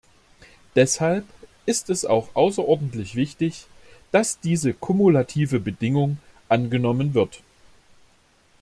Deshalb ist es auch außerordentlich wichtig, dass diese kumulative Bedingung angenommen wird.